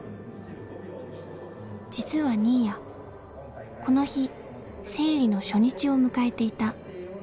実は新谷この日生理の初日を迎えていた。